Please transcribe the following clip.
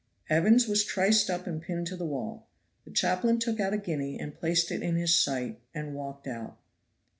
Evans was triced up and pinned to the wall; the chaplain took out a guinea and placed it in his sight, and walked out.